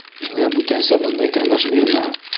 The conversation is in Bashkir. Миңә бүтәнсә бындай кәңәш бирмә.